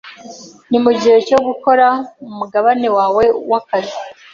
Ni mugihe cyo gukora umugabane wawe wakazi.